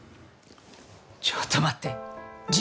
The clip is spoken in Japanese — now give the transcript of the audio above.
ちょっと待って辞表！？